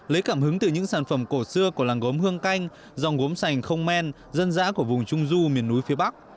lấy cảm hứng từ những sản phẩm cổ xưa của làng gốm hương canh dòng gốm sành không men dân dã của vùng trung du miền núi phía bắc